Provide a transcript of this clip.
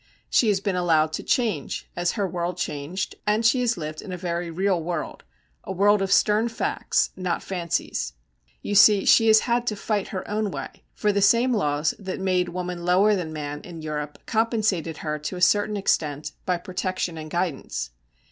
She has been allowed to change as her world changed, and she has lived in a very real world a world of stern facts, not fancies. You see, she has had to fight her own way; for the same laws that made woman lower than man in Europe compensated her to a certain extent by protection and guidance.